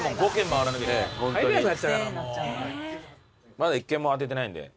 まだ１軒も当ててないんで。